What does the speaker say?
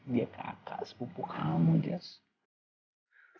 dia kakak sepupu kamu jess